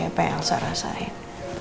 aku pernah ngerasain siapa yang elsa rasain